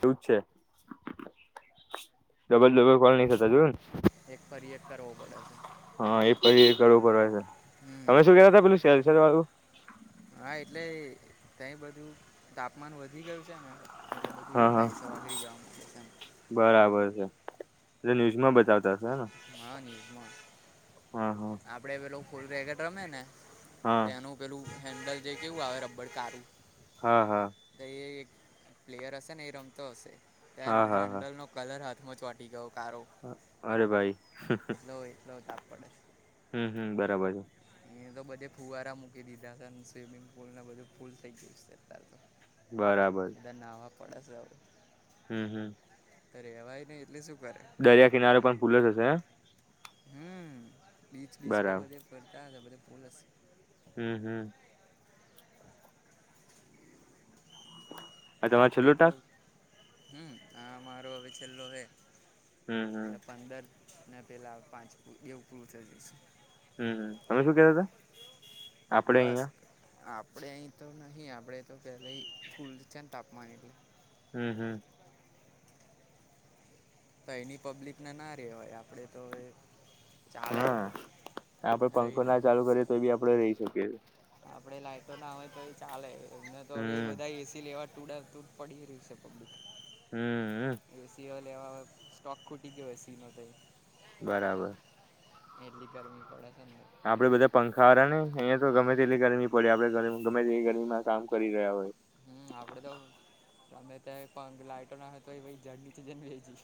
એવું છે. Double double call નહી થતા જોયુ ન એક પર એક કરવો પડે છે. હા એ પછી કરવું કરવા છે હમ તમે શું કે હતા પેલું શેર શર વાળું હા એટલે તય બધું તાપમાન વધી ગયું છે ને એટલે બધું હા એ હા થાય છે ઓગરી જવા માડયુ છે એમ બરાબર છે એટલે ન્યૂઝમાં બતાવતા હને હા હા આપડે પેલું ફૂલ રેકેટ રમે ને હા તે એનું પેલું હેન્ડલ જે કેવું આવે રબડ કારુ હા હા પ્લેયર હશે ને એ રમતો હશે ત્યાર હા હા હેન્ડલ હા નો કલર હાથમાં ચોંટી ગયો કારો અરે ભાઈ એટલો એટલો તાપ પડે છે હમ હમ બરાબર છે. અ તો બધે ફુવારા મૂકી દીધા હતા ને સ્વિમિંગ પુલ ને બધું ફૂલ થઇ ગ્યું સે અત્યાર તો બરાબર. બધા નાહવા પડે છે અવે હમ હમ. રેવાય નઈ. દરિયા કિનારો પણ ફૂલ જ હશે ને હમ બીચ બીચ પર બરાબર બધે ફરતા હતા બધે ફૂલ હશે હમ હમ. આ તમાર આપણે છેલ્લો તો ટાસ્ક હમ આ મારો હવે છેલ્લો હે હમ હમ એટલે પંદર પેલા પાંચ એવું પૂરું થઈ જશે. હમ તમે શું કેતા તા? બસ આ પડે અહી તો નહી આપડે તો પહેલે ફૂલ છે ને તાપમાન એટલે હમ હમ. તઈની પબ્લિકને ના રેવાય આપડે તો અવે હા આપડે રહી પંખો લે ના ચાલુ કરીએ તો એ બી આપડે રહી શકીએ છે. આપડે લાઈટો ના હવે તો એ ચાલે એમને તો હવે હમ બધા એસી લેવા તુડા તુપ પડી રહી છે પબલીક- હમ. એવા મા સ્ટોક ખૂટી ગયો હસી ઈનો તઇ બરાબર. એટલી ગરમી પડે છે ને આપડે બધા પંખાવાળ ને અહિયા તો ગમે તેટલી ગરમી પડી આપડે ગમે તે એલી ગરમીમા કામ કરી રહ્યા હોય હમ આપડે તો ગમે ત્યા પગ લાઈટો ના હોય તો જાડ નીચે જઈ ને બેહી જઇએ.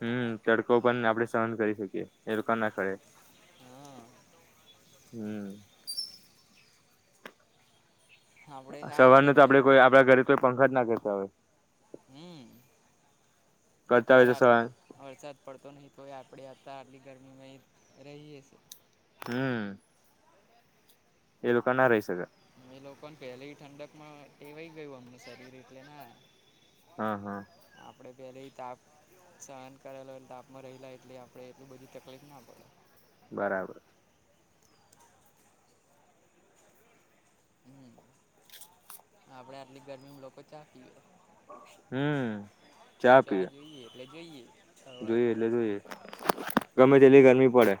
હમ તડકો પણને આપડણે સહન કરી શકીએ એ લોકોકા ના ખરેે હા હમ આપડે સારું સવાર છે ન તો આપડે અત્યારે કોઈ આપડા ઘરે કોઈ પંખા જ ના કરતા હોય હમ કરતા હોય તો અત્યારે સવાર આ વરસાદ પડતો નહિ તો કપડે આ હતા આટલી ગરમીમાં રહીએ છે હમ એ લોકાના રહી શકે છીએ એ લોકોને પહેલી ઠંડક માં ટેવાઈ ગયું અમનું શરીર એટલે ના હા હા આપડે પહેલે તાપ સહન કરેલો તાપમાં રલા એટલે આપડે એટલ બધી તકલીફ ના પડે બરાબર હમ આપડે આટલી ગરમીમાં લોકો ચા પિયે હમ ચા પીવે જઈએ. જોઈએ એટલે જોઈએ ગમે તેલી ગરમી પડે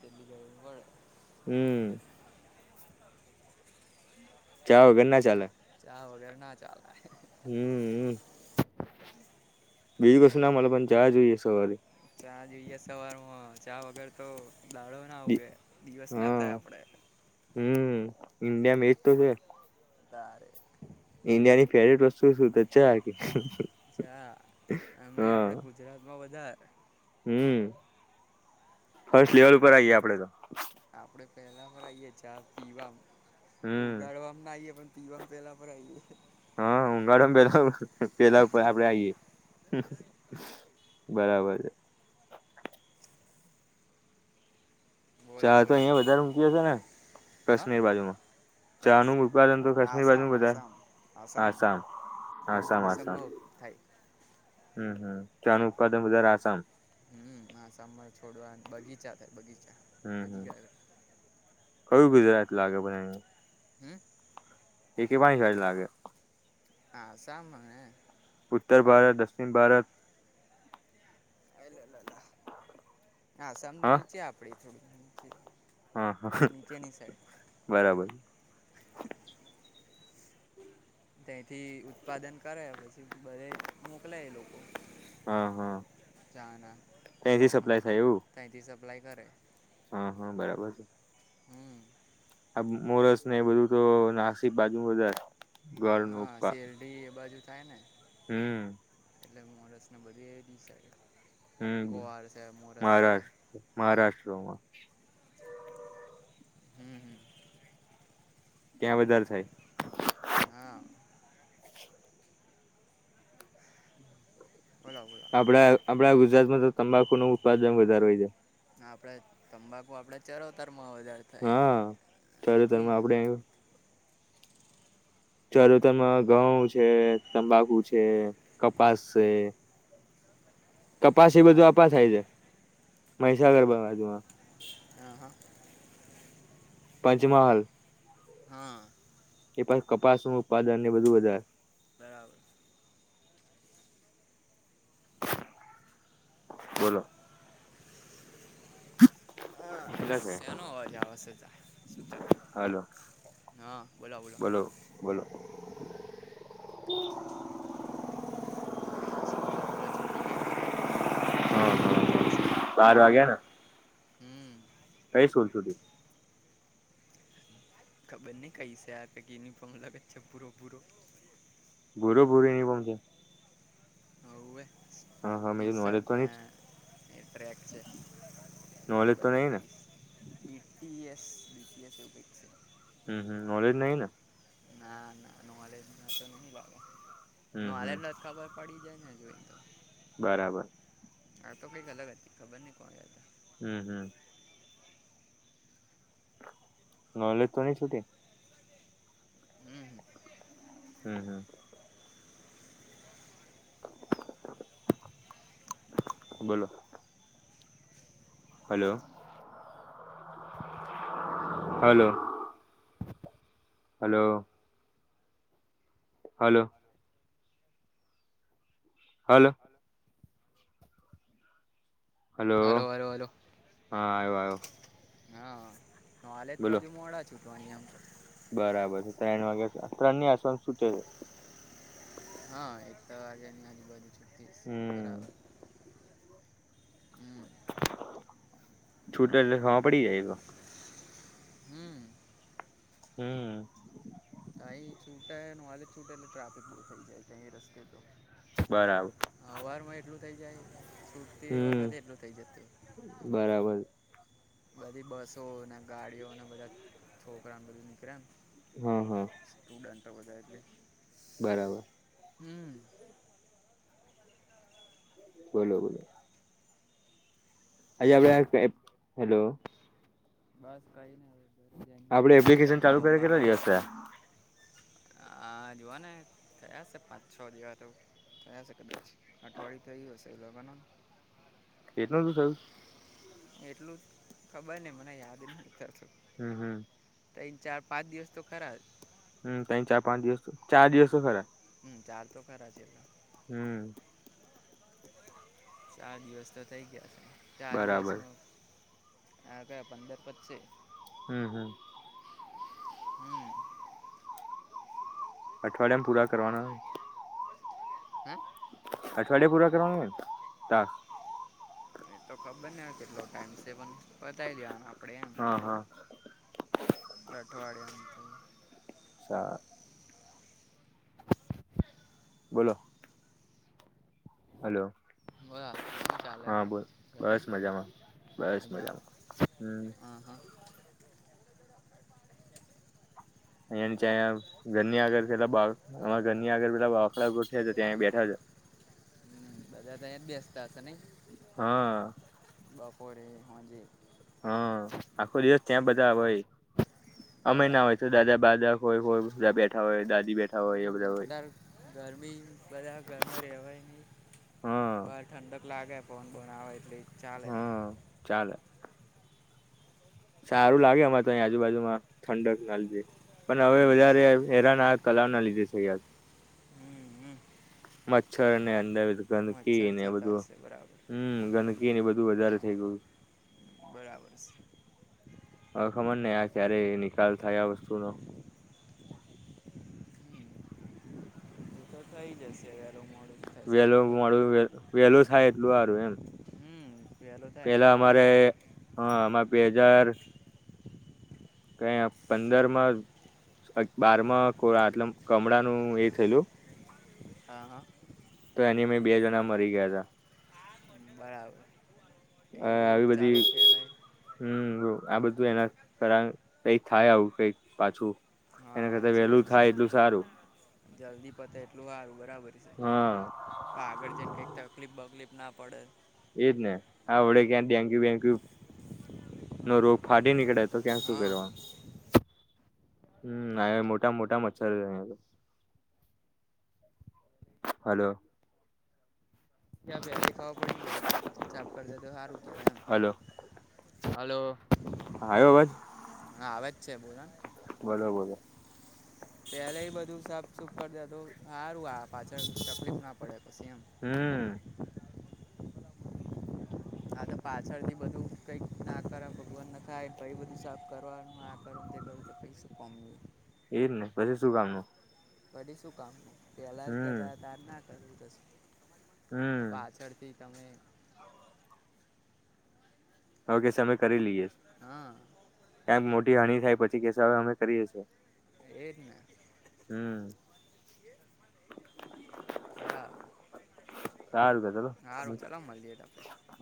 દ ગ [unintelligible] પડે હમ. ચા વગર ના ચાલે પડે ચા વગર ના ચાલ હમ હમ. [unintelligible] બીજી કસુ ના મળે પણ ચા જોઈએ સવારે ચા જોઈએ સવારમાં ચા વગર તો દાડો ના ઉગે દિવસ ના હા થાય આપડે ઇન્ડિયામ એજ તો છે તારે ઇન્ડિયા ની ફેવરટ વસ્તુ શું છે આ ચા અમા આપડે ગુજરાત માં બધાર હમ ફર્સ્ટ લેવલ ઉપર આવીઈયએ આપડે તો આપડે પેલા પર આવીએ ચા પીવા હમ ઉગાડવામ ના અઇયે પણ પીવામ પેલા પર અઇયેં હા ઉઊગાડો પેલા પેલા ઉપર આપડે આઈયએ બરાબર છે બોલા ચા તો બોલા અહિયાં વધારે મૂકી હા હશે ને એ બાજુમાં ચા બસ નું ઉત્પાદન તો કાશ્મીરી બાજુ આસામ ન બધા આસામ આસામ અસમમ આસામ થાય હમ હમ ચા નું ઉત્પાદન બધારે આસામ હમ આસામા છોડવા બગીચા થાય બગીચા હમ હમ બગીચા કયું ગુજરાત લાગેને [unintelligible] હમ એ કેવાની ખર લાગે આસામમાં હ ઉત્તર ભારત દક્ષિણ ભારત આસામ નીચે આપડે થોડું નીચે હા હા નીચેની સાઈડ બરાબર તથી ઉત્પાદન કરે પછી બધે મોકલાય એ લોકો હા હા ચાના ત્યાથી સપ્લાય થાય એવું ઘરે હા હા બરાબર છે હમ આ મોરસ ને એ બધું તો નાસિક બાજુ બધારે ઘરનું હા ક શેરડી એ બાજુ થાય ને હમ એટલે મોડસને બધી એ દસાારી હમ મહારાષ્ટ્ર મહારાષ્ટ્રમાં હમ હમ ક્યાં વધાર થાય હા બોલો બોલો આપડા આપણા ગુજરાતમાં તો તંબાકુ નું ઉત્પાદન વધારે હોય છે આપડે તંબાકુ આપડે ચરોતર હા ચરોતર માઆપડે બધું ચરોતરમા ઘઉં છે તંબાકુ છે કપાસ છે કપાસ એ બાજ બધું આપા થાય છે મહીસાગર બાજુ હા હા પંચમહાલ હા એછ કપાસ નું ઉત્પાદન ને બધું વધારે બરાબર બોલો હા કેટલા થયા શ્યાનો અવાજ આવે સજા શું ચ હાલો બોલો બોલો હમ હા સ્કૂલો બૂલો છૂટી ગય લાગે અત્યારે હવે બધું પબ્લિક જાય છે યાના હમ હ સ્કૂલ છુટી ખબર નહ કઈ છે આ યુનિફોર્મ લગે છે પૂરો પૂરો ભૂરો ભૂરીની પમ છે હું હ હા હા મે ટી નોલેજ તો શર્ટને નહી એ ટ્રેક છે નોલેજ તો બને નહી ને કહીશ બસ એવું ક હમ હમ નલેજ નહી ને ના ના નોલેજ ના તો નહી લાગે હમ હમ નલેજ ન જ ખબર પડી જ ન જોઈ હતો બરાબર હા તો કંઈક અલગ હતી ખબર નઈ કોણ હતા હમ હમ નોલેજ તો નહી છુટી હમ હમ હમ બોલો hello hello hello hello hello hello hello hello હા આવ આવ્યો હા હાલે જ તો બોલો હજુ મોડા છૂટવાણી આમ તો બરાબર છે ત્રણ વાગ્યા ત્રણ ની આસપાસ શું છે છે હા એક તો વાગે ની આજુબજુ છસ હમ બરાબર હમ છુટા હ પડી જાય તો હમ હમ ક છૂટાય વાજ જ છૂટે એટલે ટ્રાફિક ફુલથઈ જાય છે એરસ્તે તો બરાબર અવારમાં એટલું થઇ જાય તૂટતી હમ વખતે એટલું થઇ જતું. બરાબર બધી બસો, ને ગાડીઓને બધા, છોકરાને બધું નીકળે ને? હા હા. દંટ બધા એટલે. બરાબર. હમ્મ. બોલો બોલો. આજે આ આપડે, હેલો. બસ કઈ નહી. આપડે એપ્લિકેશન ચાલુ કરી કેટલા દિવસ થ્યા? હ, જોવા ને થયા હસે પાંચ છો દિવસો. થયા હસે કદાચ, અઠવાડિયુ થયું હશે એ લોકોના. કેટલ શું થય એટલું ખબર નહ મને યાદ નહ ઉતારત હમ હમ તન ચાર પાંચ દિવસ તો ખરા હમ તં ચાર પાંચ દિવસ ચાર દિવસો ખરા હમ ચાલ તો ખરા છે એટ હમ ચાર દિવસ તો થઇ ગયા છે ચાર બરાબર દિવસમાં હા કે પંદર પતસે. હમ્મ હમ્મ. હમ્મ. અઠવાડિયામાં પૂરા કરવાના. હમ્મ? અઠવાડિયે પૂરા કરવાના, ટાસ? એ તો ખબર ને હવે કેટલો ટાઈમ છે પણ બતાવી દેવાનો આ હા હા. અઠવાડિયાનું તો સાર. બોલો. હલો. બોલો, શું ચાલે હા બોલ ઘરે? બસ મજામાં બસ મજા, મજામાં હમ હા હા. અંયમ ચા ઘરની આગળ પેલા બા ઘરની આગળ પેલ બાંફડા ગોઠવ્યા છે ત્યાં એ બેઠા છે. હમ્મ, બધા તઇ જ બેસતા હશે નઇ? હા. બપોરે, હાંજે. હા, આખો દિવસ ત્યાં બધા હોય. અમે બહાર ના આવે હોય તો દાદા બા દા હોય હોય બધા બેઠા હોય દા હમ્મ, અતારે ગરમી બધા ઘરમાં રેહવાય ની. હા બાર ઠંડક લાગે ફોન બોન આવે એટલે જ હા, ચાલે. સારું લાગે અમારે તો આજુબાજુમાં, ઠંડક લાગે. પણ હવે હમ વધારે હેરાન આ કલા ના લીધે છે યાર. હમ હમ મચ્છર અને અંદા [unintelligible] મચ્છર ગંદકીને થતા બધું, હશે બરાબર હમ્મ, ગંદકીને બધું વધારે થઈ ગયુંસ. બરાબર સ. હ ખમર ને આ ક્યારેય નિકાલ થાય આ વસ્તુનો? હમ એ તો થઈ જશે વહેલું મોડું થશે તો વેલું ખરું મોડુ વે વેલું થાય એટલું હારું એમ હમ વહેલું થાય એટલું પેલા અમારે સારું હ આમાં બે હજાર કય પંદરમાં બારમાં કોરા એટલે કમળાનું એ થયેલું હા હા. તો એની મે બે જણા મરી ગયા હતા. બરાબર અ એવું આવી રોગચાળો બધી ફેલાય હમ આ બધું એના [unintelligible] કઈક થાય આવું કઈક પાછું હા સાચી વેલું વાત છે થાય એટલું સારું જલ્દી પતે એટલું હારું બરાબરસે હા આગળ જેમ કઈક થ તકલીપ બકલીફ ના પડે એજને આ વડે ક્યાં ડેન્ગ્યુ વેન્ગ્યુ નો રોગ ફાટી નીકળે તો ક્યા શું હા કેરવા હમ્મ, આયા મોટા મોટા મચ્છર અયા તો. હલો. ક્યા પેલા ખાવા પડી જાય તો સાફ કરડે તો સારું કેવાય એમ, હલો. હા એવો જ હા આવે જ છે બોલો ને. બરોબર. પેલાઈ બધું સાફ સુફ કરદે તો હારું આ પાછળ તપલીપ ના પડે. પછી એમ હમ્મ. આત પાછળથી બધું કંઈક નાકાર ભગવાન નખાય પહી બધું સાફ કરવાનું આકર તે કરું પહી શુ કોમ નુ એ એજને પછી શું કામનું પડી શું કામનું પેલા હમ કેતા તાર ના કરવું કશું હમ પાછળથી તમે ઓકે સમે કરી લઈએ હા ક્યાંક મો ટી હાણી થાય પછી કેશે હવે અમે કરીએ છે, એ જ ને હમ બરા સારુ ત ચલો તો આપણે હ